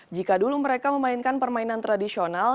jika dulu mereka memainkan permainan tradisional